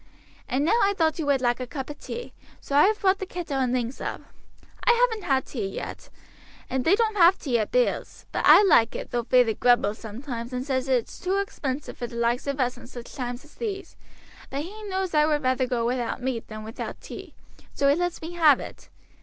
And now I thought you would like a cup of tea, so I have brought the kettle and things up. I haven't had tea yet, and they don't have tea at Bill's; but I like it, though feyther grumbles sometimes, and says it's too expensive for the likes of us in sich times as these; but he knows I would rather go without meat than without tea, so he lets me have it.